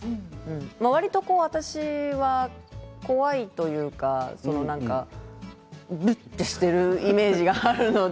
わりと私は怖いというかぶっとしているイメージがあるので。